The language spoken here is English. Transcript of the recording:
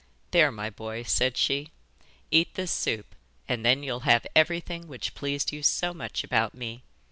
'There, my boy,' said she, 'eat this soup and then you'll have everything which pleased you so much about me.